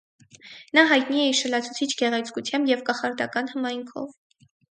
Նա հայտնի է իր շլացուցիչ գեղեցկությամբ և կախարդական հմայքով։